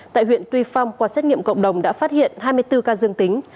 tại huyện tuy phong qua xét nghiệm cộng đồng đã phát hiện hai mươi bốn ca dương tính